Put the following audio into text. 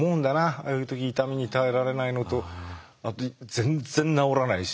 あいう時痛みに耐えられないのとあと全然治らないし。